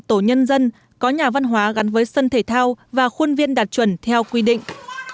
tổ nhân dân có nhà văn hóa gắn với sân thể thao và khuôn viên đạt chuẩn theo quy định